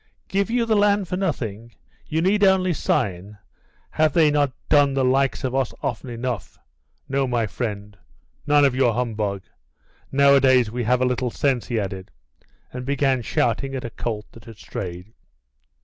"Give you the land for nothing you need only sign have they not done the likes of us often enough? No, my friend, none of your humbug. Nowadays we have a little sense," he added, and began shouting at a colt that had strayed.